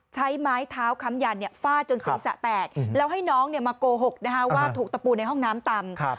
ใช้ไม้เท้าค้ำยันเนี่ยฝ้าจนสีสะแตกแล้วให้น้องเนี่ยมาโกหกนะคะว่าถูกตะปูในห้องน้ำต่ำ